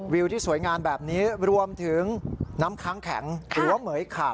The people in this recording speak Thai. วิวที่สวยงามแบบนี้รวมถึงน้ำค้างแข็งหรือว่าเหมือยขาบ